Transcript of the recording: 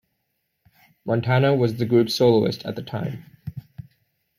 Montana was the group's soloist at the time.